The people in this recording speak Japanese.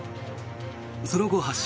その後、発進。